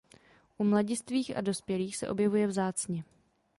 U mladistvých a dospělých se objevuje vzácně.